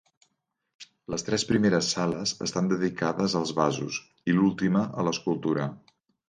Les tres primeres sales estan dedicades als vasos i l'última a l'escultura.